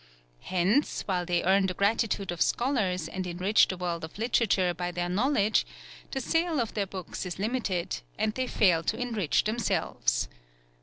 Hence, while they earn the gratitude of scholars and enrich the world of literature by their knowledge, the sale of their books is limited, and they fail to enrich themselves.